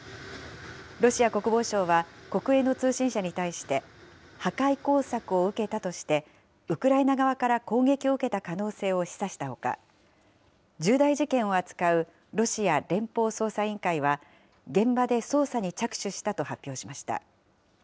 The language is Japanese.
ロシア国防省は国営の通信社に対して、破壊工作を受けたとして、ウクライナ側から攻撃を受けた可能性を示唆したほか、重大事件を扱うロシア連邦捜査委員会は、現場で捜査に着手したと発表しました。